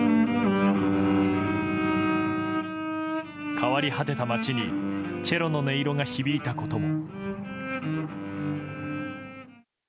変わり果てた街にチェロの音色が響いたことも。